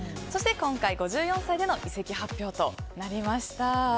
そして、今回５４歳での移籍発表となりました。